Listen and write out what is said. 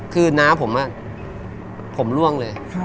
คือน้าผมผมล่วงเลย